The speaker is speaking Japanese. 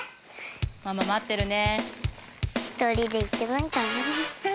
ママ待ってるね。